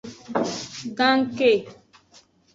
Ganke.